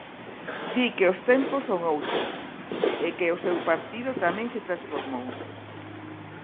Di que os tempos son outros, e que o seu partido tamén se transformou.